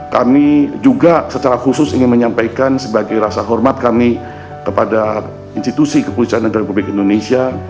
kami juga secara khusus ingin menyampaikan sebagai rasa hormat kami kepada institusi kepolisian negara republik indonesia